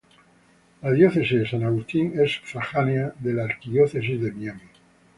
La Diócesis de San Agustín es sufragánea de la Arquidiócesis de Miami.